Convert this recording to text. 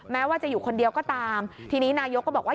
แม้ว่าจะอยู่คนเดียวก็ตามทีนี้นายกก็บอกว่า